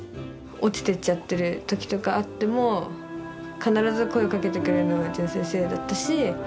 落ちてっちゃってるときとかあっても、必ず声をかけてくれるのが淳先生だったし。